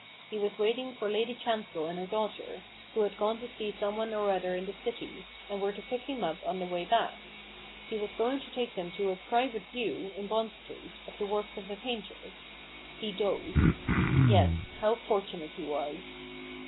He was waiting for Lady Chancel and her daughter, who had gone to see some one or other in the city, and were to pick him up on their way back. He was going to take HUGO RAVEN S HAND, 175 them to a " private view/' in Bond Street, of the works of a painter. He dozed. Yes : how fortunate he was